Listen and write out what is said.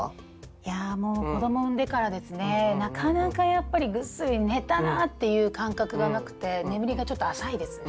いやもう子ども産んでからですねなかなかやっぱりぐっすり寝たなぁっていう感覚がなくて眠りがちょっと浅いですね。